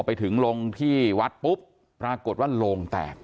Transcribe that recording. ไปถึงลงที่วัดปุ๊บปรากฏว่าโลงแตก